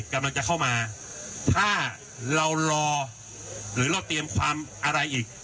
กำลังจะเข้ามาถ้าเรารอหรือเราเตรียมความอะไรอีก